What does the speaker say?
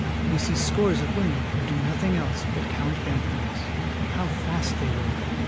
We see scores of women who do nothing else but count bank notes. How fast they work!